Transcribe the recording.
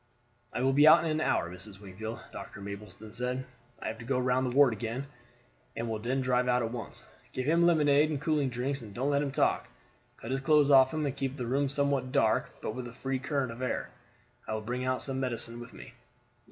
"I will be out in an hour, Mrs. Wingfield," Dr. Mapleston said. "I have to go round the ward again, and will then drive out at once. Give him lemonade and cooling drinks; don't let him talk. Cut his clothes off him, and keep the room somewhat dark, but with a free current of air. I will bring out some medicine with me."